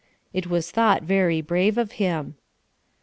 It was thought very brave of him.